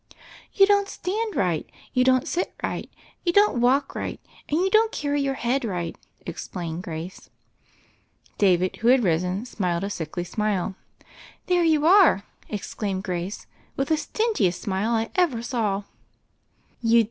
"You don't stand right, you don't sit right, ou don't walk right, and you don't carry your ead right," explained Grace. David, who had risen, smiled a sickly smile. "There you are," exclaimed Grace, "with the stingiest smile I ever saw." "You'd